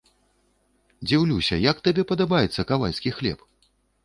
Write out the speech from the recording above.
Дзіўлюся, як табе падабаецца кавальскі хлеб?